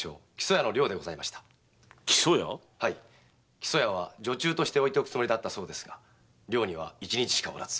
木曽屋は女中として置いておくつもりだったのですが寮には一日しか居らず。